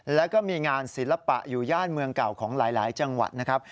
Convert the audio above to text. แล้วก็มีงานศิลปะอยู่ย่านเมืองเก่าของหลายจังหวัดนะครับ